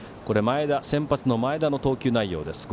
先発の前田の投球内容です。